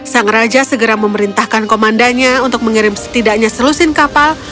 sang raja segera memerintahkan komandanya untuk mengirim setidaknya selusin kapal